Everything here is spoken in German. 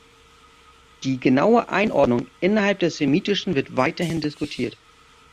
Die genaue Einordnung innerhalb des Semitischen wird weiterhin diskutiert.